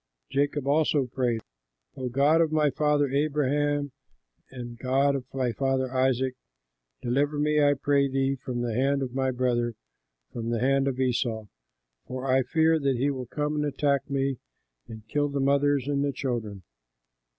Jacob also prayed, "O God of my father Abraham and God of my father Isaac, deliver me, I pray thee, from the hand of my brother, from the hand of Esau, for I fear that he will come and attack me and kill the mothers and the children."